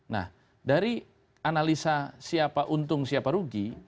nah dari analisa siapa untung siapa rugi